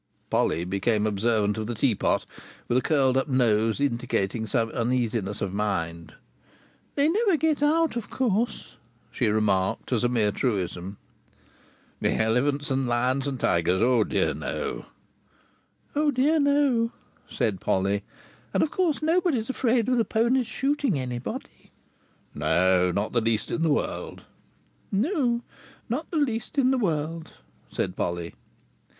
Polly became observant of the teapot, with a curled up nose indicating some uneasiness of mind. "They never get out, of course," she remarked as a mere truism. "The elephants and lions and tigers? O dear no!" "O dear no!" said Polly. "And of course nobody's afraid of the ponies shooting anybody." "Not the least in the world." "No, no, not the least in the world," said Polly.